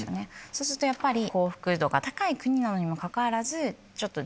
そうするとやっぱり幸福度が高い国なのにもかかわらずちょっと。